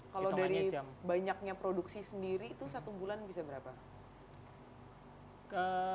kalau dari banyaknya produksi sendiri itu satu bulan bisa berapa